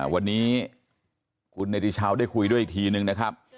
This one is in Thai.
วันนี้คุณเนติชาวได้คุยด้วยอีกทีนึงนะครับ